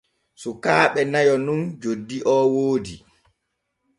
Sukaaɓe nayo nun joddi o woodi.